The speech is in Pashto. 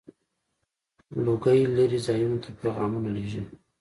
• لوګی لرې ځایونو ته پيغامونه لیږل.